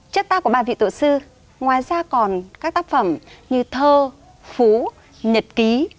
trước ta có ba vị tổ sư ngoài ra còn các tác phẩm như thơ phú nhật ký